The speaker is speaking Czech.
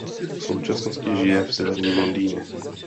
V současnosti žije v severním Londýně.